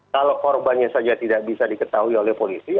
kalau korbannya saja tidak bisa diketahui oleh polisi